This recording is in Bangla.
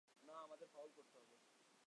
না, আমাদের ফাউল করতে হবে।